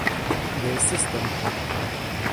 Wer ist es denn?